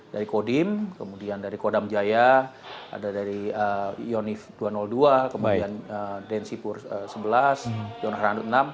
dari kodim kemudian dari kodam jaya ada dari yonif dua ratus dua kemudian den sipur sebelas yona randut enam